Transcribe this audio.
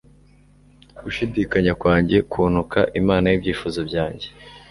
Gushidikanya kwanjye kuntuka Imana yibyifuzo byanjye